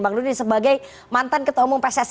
bang doni sebagai mantan ketua umum pssi